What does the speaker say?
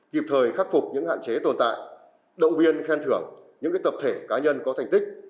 kịp thời khắc phục những hạn chế tồn tại động viên khen thưởng những tập thể cá nhân có thành tích